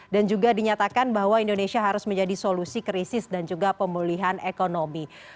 dan juga dinyatakan bahwa indonesia harus menjadi solusi krisis dan juga pemulihan ekonomi